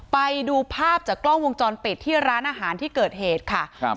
ไปดูภาพจากกล้องวงจรปิดที่ร้านอาหารที่เกิดเหตุค่ะครับ